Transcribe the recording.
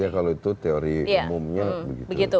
ya kalau itu teori umumnya begitu